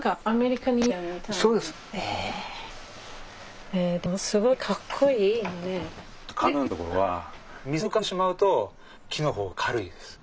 カヌーのいいところは水に浮かんでしまうと木の方が軽いです。